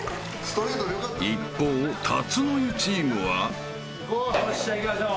［一方竜の湯チームは］よっしゃいきましょう。